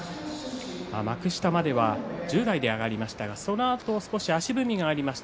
幕下までは１０代で上がりましたが、そのあと少し足踏みがありました。